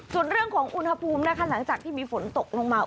ส่วนเรื่องของอุณหภูมินะคะหลังจากที่มีฝนตกลงมา